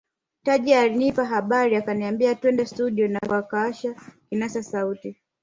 Taji alinipa habari akaniambia twende studio na akawasha kinasa sauti